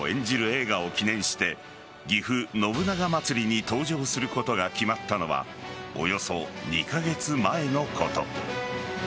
映画を記念してぎふ信長まつりに登場することが決まったのはおよそ２カ月前のこと。